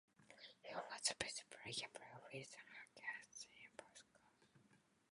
He was the best player I played with or against in both codes.